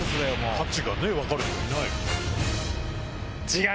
価値が分かる人いない。